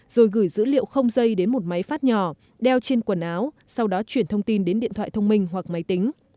rồi gửi dữ liệu không dây đến một máy phát nhỏ đeo trên quần áo sau đó chuyển thông tin đến điện thoại